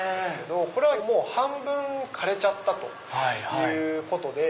これは半分枯れちゃったということで。